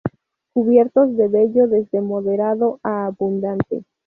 Cubiertos de vello desde moderado a abundante.